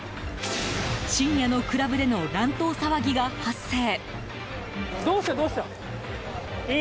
深夜のクラブでの乱闘騒ぎが発生。